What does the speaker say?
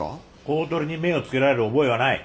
公取に目を付けられる覚えはない。